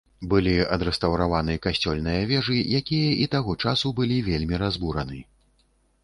Былі адрэстаўраваны касцёльныя вежы, якія і таго часу былі вельмі разбураны.